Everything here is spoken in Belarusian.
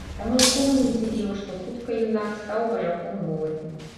Таму нікога не здзівіла, што хутка юнак стаў важаком моладзі.